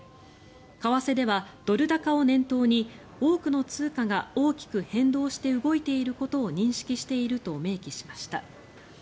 為替ではドル高を念頭に多くの通貨が大きく変動して動いていることを認識していると明記しました。